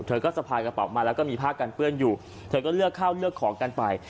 เธอก็สะพายกระเป๋ามาแล้วก็มีผ้ากันเปื้อนอยู่เธอก็เลือกข้าวเลือกของกันไป